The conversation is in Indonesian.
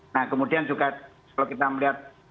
nah kemudian juga kalau kita melihat